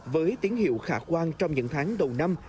với tiếng hiệu khả quan trong những tháng đầu năm